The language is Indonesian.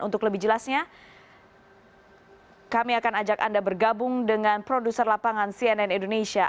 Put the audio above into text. untuk lebih jelasnya kami akan ajak anda bergabung dengan produser lapangan cnn indonesia